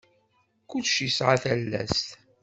Kullec yesɛa talast.